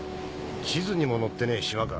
地図にも載ってねえ島か。